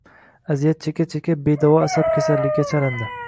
Aziyat cheka-cheka, bedavo asab kasalligiga chalindi